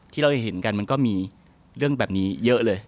ที่เราเห็นกันมันก็มีเรื่องแบบนี้เยอะเลย